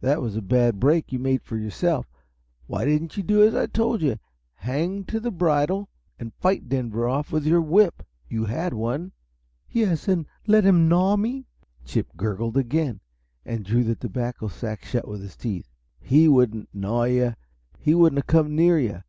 "That was a bad break you made yourself. Why didn't you do as I told you hang to the bridle and fight Denver off with your whip? You had one." "Yes and let him gnaw me!" Chip gurgled again, and drew the tobacco sack shut with his teeth. "He wouldn't 'gnaw' you he wouldn't have come near you.